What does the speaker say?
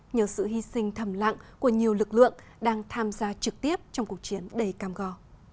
nhờ sự hy sinh thầm lặng của nhiều lực lượng đang tham gia trực tiếp trong cuộc chiến đầy cam go